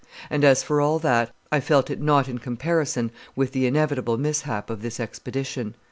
And, as for all that, I felt it not in comparison with the inevitable mishap of this expedition.